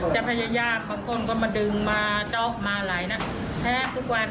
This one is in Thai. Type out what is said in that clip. จะพยายามเมื่อคนก็มาดึงมาเจาะมาอะไรน่ะแทบทุกวัน